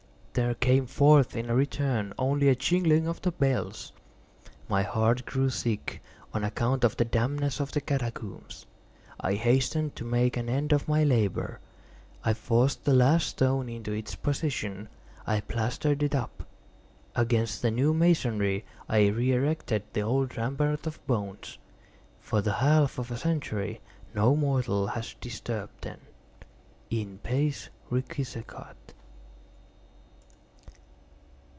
There came forth in return only a jingling of the bells. My heart grew sick—on account of the dampness of the catacombs. I hastened to make an end of my labor. I forced the last stone into its position; I plastered it up. Against the new masonry I re erected the old rampart of bones. For the half of a century no mortal has disturbed them. _In pace requiescat!